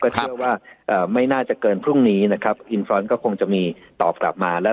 ก็เชื่อว่าอ่าไม่น่าจะเกินพรุ่งนี้นะครับก็คงจะมีตอบกลับมาแล้ว